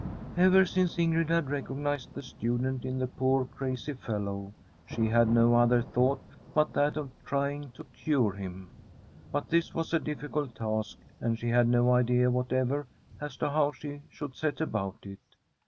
Ever since Ingrid had recognised the student in the poor crazy fellow, she had no other thought but that of trying to cure him ; but this was a difficult task, and she had no idea what ever as to how she should set about it.